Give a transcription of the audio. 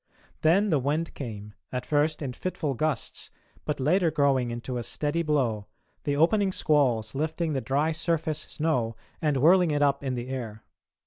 Then the wind came, at first in fitful gusts but later growing into a steady blow, the opening squalls lifting the dry surface snow and whirling it up in the air.